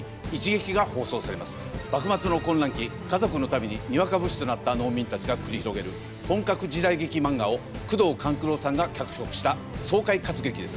幕末の混乱期家族のためににわか武士となった農民たちが繰り広げる本格時代劇漫画を宮藤官九郎さんが脚色した爽快活劇です。